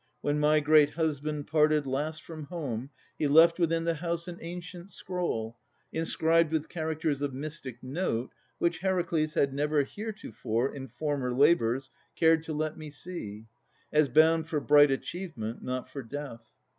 When my great husband parted last from home, He left within the house an ancient scroll Inscribed with characters of mystic note, Which Heracles had never heretofore, In former labours, cared to let me see, As bound for bright achievement, not for death.